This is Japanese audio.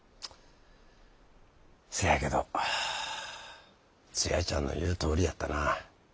せやけどツヤちゃんの言うとおりやったな。